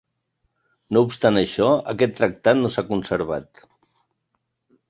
No obstant això, aquest tractat no s'ha conservat.